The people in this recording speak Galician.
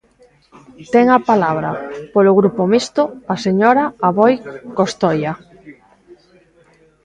Ten a palabra, polo Grupo Mixto, a señora Aboi Costoia.